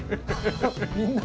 みんな。